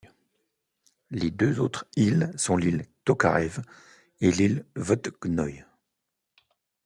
Les deux autres îles sont l'île Tokarev et l'île Vkhodnoy.